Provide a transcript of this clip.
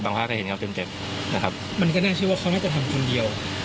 บางภาพก็เห็นเขาเต็มเต็มนะครับมันก็น่าเชื่อว่าเขาไม่จะทำคนเดียว